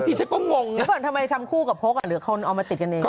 คือฉันอ่านเก่าทำหน้าเด็กอยู่เหรอ